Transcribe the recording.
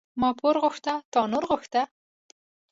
ما پور غوښته تا نور غوښته.